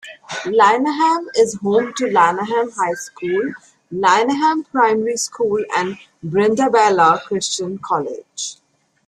Lyneham is home to Lyneham High School, Lyneham Primary School and Brindabella Christian College.